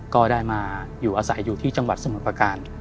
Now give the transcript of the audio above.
ก็ได้มาอยู่อาศัยอยู่ที่จังหวัดสมุทรประการ